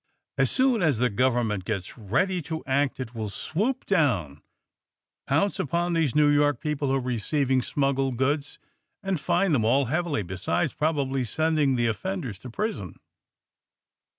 As soon as the government gets ready to act it will swoop downy ponnce upon these New York peo ple who are receiving smuggled goods, and fine them all heavily, besides probably sending the offenders to prison.